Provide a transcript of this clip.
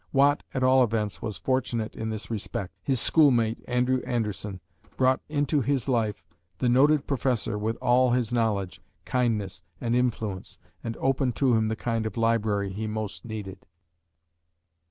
Watt at all events was fortunate in this respect. His schoolmate, Andrew Anderson, brought into his life the noted Professor, with all his knowledge, kindness and influence, and opened to him the kind of library he most needed.